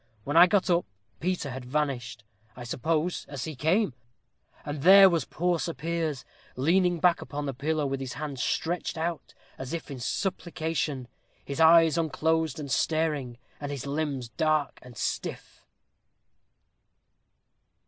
When I got up, Peter had vanished, I suppose, as he came; and there was poor Sir Piers leaning back upon the pillow with his hands stretched out as if in supplication, his eyes unclosed and staring, and his limbs stark and stiff!"